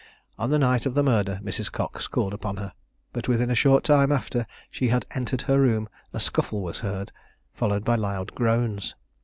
On the night of the murder, Mrs. Cox called upon her; but within a short time after she had entered her room, a scuffle was heard, followed by loud groans.